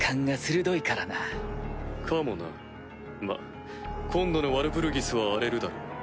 まぁ今度のワルプルギスは荒れるだろう。